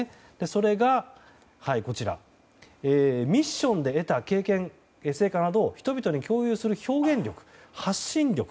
それが、ミッションで得た経験成果などを人々に共有する表現力発信力。